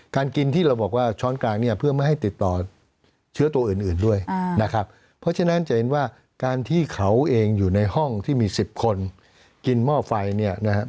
กินที่เราบอกว่าช้อนกลางเนี่ยเพื่อไม่ให้ติดต่อเชื้อตัวอื่นด้วยนะครับเพราะฉะนั้นจะเห็นว่าการที่เขาเองอยู่ในห้องที่มี๑๐คนกินหม้อไฟเนี่ยนะครับ